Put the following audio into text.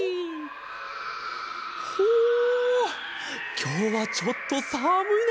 きょうはちょっとさむいね。